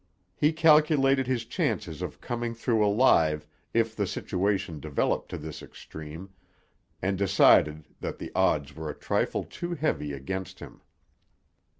He calculated his chances of coming through alive if the situation developed to this extreme, and decided that the odds were a trifle too heavy against him.